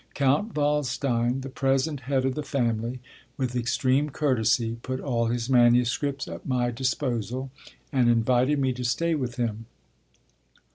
Count Waldstein, the present head of the family, with extreme courtesy, put all his manuscripts at my disposal, and invited me to stay with him.